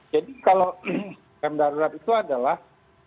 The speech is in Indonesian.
jadi kalau rem darurat itu adalah